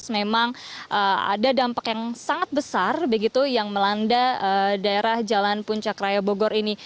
memang ada dampak yang sangat besar begitu yang melanda daerah jalan puncak raya bogor ini